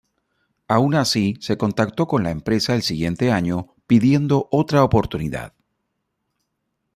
Aun así se contacto con la empresa el siguiente año, pidiendo otra oportunidad.